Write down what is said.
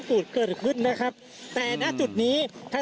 คุณภูริพัฒน์บุญนิน